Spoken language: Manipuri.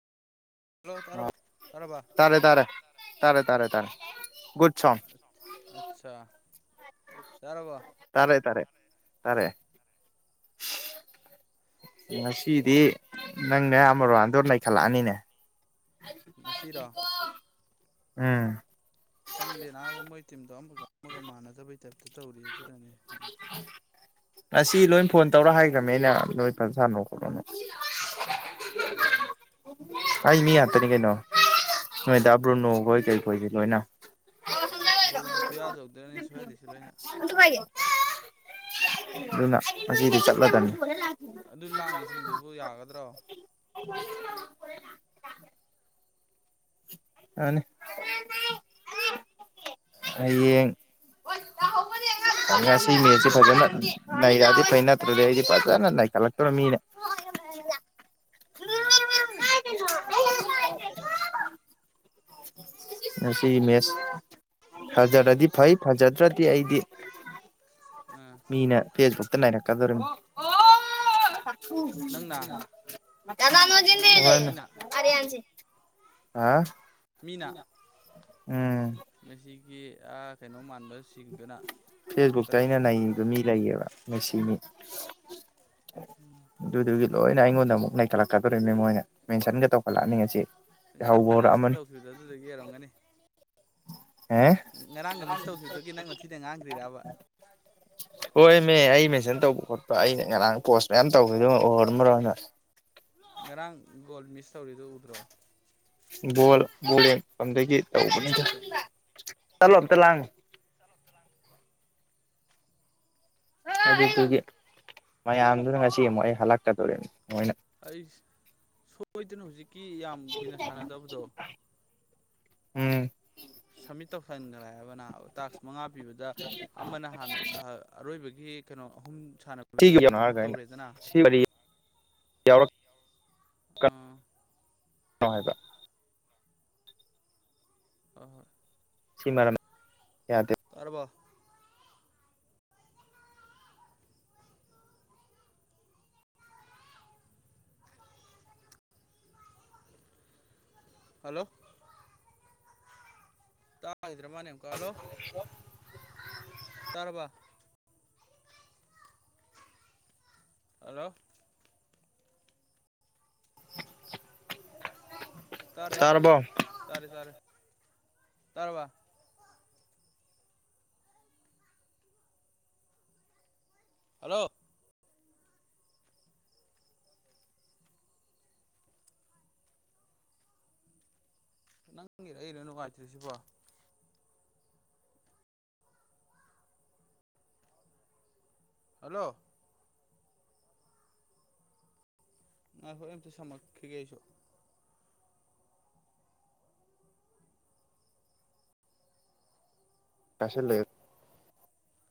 ꯍꯜꯂꯣ ꯇꯥꯔꯕ ꯇꯥꯔꯕ ꯇꯥꯔꯦ ꯇꯥꯔꯦ ꯇꯥꯔꯦ ꯇꯥꯔꯦ ꯇꯥꯔꯦ ꯒꯨꯠ ꯁꯥꯎꯟ ꯑꯠꯁꯥ ꯌꯥꯔꯕ‌ꯣ ꯇꯥꯔꯦ ꯇꯥꯔꯦ ꯇꯥꯔꯦ [unintelligible] ꯉꯁꯤꯗꯤ ꯅꯪ ꯅꯌꯥꯝꯕ ꯔ‌ꯣꯔꯥꯟꯗ‌ꯣ ꯅꯩꯈꯠꯂꯛꯑꯅꯤꯅꯦ ꯉꯁꯤꯔ‌ꯣ ꯎꯝ ꯈꯪꯗꯦ ꯅꯥꯕ ꯃꯣꯏ ꯇꯤꯝꯗꯣ ꯑꯃꯒ ꯑꯃꯒ ꯃꯥꯟꯅꯗꯕꯩ ꯇꯥꯏꯞꯇ ꯇꯧꯔꯤ ꯑꯗꯨꯅꯅꯦ ꯎꯝ ꯉꯁꯤ ꯂꯣꯏ ꯐꯣꯟ ꯇꯧꯔ ꯍꯥꯏꯒ꯭ꯔꯃꯦ ꯑꯩꯅ ꯅ‌ꯣꯏ ꯐꯥ ꯁꯥꯟꯅꯣ ꯈꯣꯠꯂ‌ꯣꯅ [unintelligible] [unintelligible] ꯑꯩ ꯃꯤ ꯉꯥꯛꯇꯅꯤ ꯀꯩꯅꯣ ꯅꯣꯏ ꯗꯥ ꯑꯗ ꯕ꯭ꯔꯨꯅꯣꯈꯣꯏ ꯀꯩꯈꯣꯏꯗꯤ ꯂꯣꯏꯅ ꯌꯥꯔꯦ ꯕ꯭ꯔꯨꯅꯣ ꯊꯨꯌꯥꯆꯧ ꯗꯨꯅꯅꯦ ꯁꯣꯏꯍꯜꯂꯤꯁꯤ ꯂꯣꯏꯅ [unintelligible] ꯗꯨꯅ ꯉꯁꯤꯗꯤ ꯆꯠꯂꯗꯝꯅꯤ ꯑꯗꯨ ꯂꯥꯡꯉꯤꯁꯤꯡꯗꯨꯕꯨ ꯌꯥꯒꯗ꯭ꯔꯣ [unintelligible] ꯌꯥꯅꯤ ꯍꯌꯦꯡ ꯑꯁ ꯑꯩ ꯉꯁꯤ ꯃꯦꯠꯁꯤ ꯍꯧꯖꯤꯛꯀꯤꯗꯣ ꯐꯥꯖꯅ ꯁꯣꯏꯗꯅ ꯅꯩꯔꯛ ꯑꯗꯤ ꯐꯩ ꯅꯠꯇ꯭ꯔꯗꯤ ꯑꯩꯗꯤ ꯐꯥꯖꯅ ꯅꯥꯈꯠꯂꯛꯇꯣꯔꯦ ꯃꯤꯅ ꯎꯝ ꯉꯁꯤꯒꯤ ꯃꯦꯁ ꯐꯥꯖꯔꯗꯤ ꯐꯩ ꯐꯥꯖꯗ꯭ꯔꯗꯤ ꯑꯩꯗꯤ ꯑ ꯃꯤꯅ ꯐꯦꯁꯕꯨꯛꯇ ꯅꯩꯔꯛꯀꯗꯨꯔꯤꯃꯤ [unintelligible] [unintelligible] ꯅꯪꯅ ꯃꯤꯅ ꯃꯤꯅ ꯑꯥ ꯃꯤꯅ ꯎꯝ ꯃꯁꯤꯒꯤ ꯑꯥ ꯀꯩꯅꯣ ꯃꯥꯟꯕ ꯐꯦꯁꯕꯨꯛꯇ ꯑꯩꯅ ꯅꯩꯅꯤꯡꯕ ꯃꯤ ꯂꯩꯌꯦꯕ ꯉꯥꯁꯤ ꯃꯤ ꯎꯝ ꯗꯨꯗꯨꯒꯤ ꯂꯣꯏꯅ ꯑꯩꯉꯣꯟꯗ ꯑꯃꯨꯛ ꯅꯩꯈꯠꯂꯛꯀꯗꯧꯔꯤꯃꯤ ꯃꯣꯏꯅ ꯃꯦꯟꯁꯟꯒ ꯇꯧꯈꯠꯂꯛ ꯑꯅꯤ ꯉꯥꯁꯤ ꯉꯔꯥꯡ [unintelligible] ꯇꯧꯈꯤꯕꯗꯣ ꯑꯗꯨꯗꯨꯒꯤ ꯑꯣꯏꯔꯝꯒꯅꯤ ꯑꯦ ꯉꯔꯥꯡꯒ ꯃꯤꯁ ꯇꯧꯈꯤꯕꯗꯨꯒꯤ ꯅꯪꯅ ꯊꯤꯅ ꯉꯥꯡꯈ꯭ꯔꯤꯔꯥꯕ ꯍꯣꯏꯑꯃꯦ ꯑꯩ ꯃꯦꯟꯁꯟ ꯇꯧꯕ ꯈꯣꯠꯄ ꯑꯩꯅ ꯉꯔꯥꯡ ꯄꯣꯁ ꯃꯌꯥꯝ ꯇꯧꯈꯤꯕꯗꯣ ꯎꯍꯧꯔꯝꯃꯔꯣꯢ ꯅꯣꯏ ꯉꯔꯥꯡ ꯒꯣꯜ ꯃꯤꯁ ꯇꯧꯔꯤꯗꯣ ꯎꯗ꯭ꯔꯣ ꯕꯣꯜ ꯕꯣꯜ ꯂꯩꯐꯝꯗꯒꯤ ꯇꯧꯕꯅꯤꯗ ꯆꯠꯂꯣ ꯑꯝꯇ ꯂꯥꯡꯅꯣ ꯑꯗꯨꯗꯨꯒꯤ ꯃꯌꯥꯝꯗꯨꯅ ꯉꯥꯁꯤ ꯑꯃꯨꯛ ꯑꯩ ꯍꯜꯂꯛꯀꯗꯧꯔꯤꯝ ꯃꯣꯏꯅ ꯑꯩꯁ ꯁꯣꯏꯗꯅ ꯍꯧꯖꯤꯛꯀꯤ ꯌꯥꯝ ꯀꯨꯏꯅ ꯁꯥꯟꯅꯗꯕꯗꯣ ꯎꯝ ꯁꯝꯃꯤꯠ ꯇꯧꯁꯟꯒ꯭ꯔꯦ ꯍꯥꯏꯕ ꯅꯥꯕ ꯇꯥꯛꯁ ꯃꯉꯥ ꯄꯤꯕꯗ ꯑꯃꯅ ꯍꯥꯟꯅ ꯑꯥ ꯑꯔꯣꯏꯕꯒꯤ ꯀꯩꯅꯣ ꯑꯍꯨꯝ ꯁꯥꯟꯅ ꯁꯤꯒꯤ ꯌꯥꯎꯅꯣ ꯍꯥꯏꯔꯒ [unintelligible] ꯑꯩꯅ ꯇꯧꯔꯦꯗꯅ ꯁꯤ ꯋꯥꯔꯤ ꯌꯥꯎꯔꯛꯀꯅꯣ ꯑꯥ [unintelligible] ꯍꯣꯏ ꯍꯣꯏ ꯁꯤꯃꯔꯝ ꯌꯥꯗꯦ ꯇꯥꯔꯕꯣ [unintelligible] ꯍꯜꯂꯣ ꯇꯥꯒꯤꯗ꯭ꯔꯃꯅꯦ ꯑꯝꯀꯥ ꯍꯜꯂꯣ ꯇꯥꯔꯕ ꯍꯜꯂꯣ ꯇꯥꯔꯦ ꯇꯥꯔꯕꯣ ꯇꯥꯔꯦ ꯇꯥꯔꯦ ꯇꯔꯥꯕ ꯍꯜꯂꯣ ꯅꯪꯒꯤꯔ ꯑꯩꯒꯤꯔ ꯅꯨꯡꯉꯥꯏꯇ꯭ꯔꯤꯁꯤꯕꯣ ꯍꯜꯂꯣ ꯉꯥꯏꯈꯣ ꯑꯩ ꯑꯝꯇ ꯁꯝꯃꯛꯈꯤꯒꯦ ꯑꯩꯁꯨ [unintelligible]